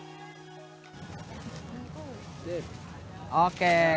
jadi saya berharap bisa membeli baju ini